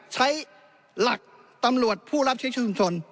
จะใช้หลักตำรวจผู้รับใช้ชีวิตชุมชน